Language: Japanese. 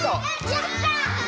やった！